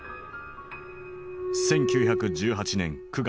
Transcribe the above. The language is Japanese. １９１８年９月。